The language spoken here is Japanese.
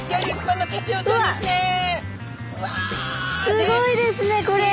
すごいですねこれ！